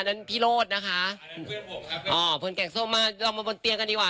นั้นพี่โรธนะคะอ่าเพื่อนแกงส้มมาลงมาบนเตียงกันดีกว่า